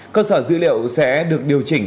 cơ sở dữ liệu sẽ được điều chỉnh